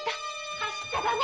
走っちゃダメ！